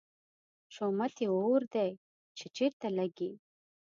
شومت یې اور دی، چې چېرته لګي